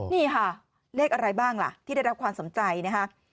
นี่ค่ะเลขอะไรบ้างล่ะที่ได้รับความสนใจนะคะ